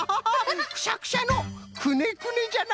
くしゃくしゃのくねくねじゃな！